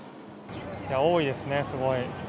多いですね、すごい。